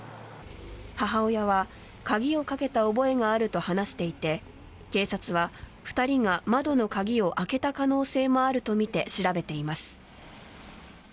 母親は鍵をかけた覚えがあると話していて警察は、２人が窓の鍵を開けた可能性もあるとみて調べています。